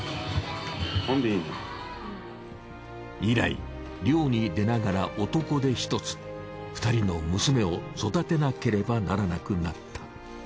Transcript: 以来漁に出ながら男手一つ２人の娘を育てなければならなくなった。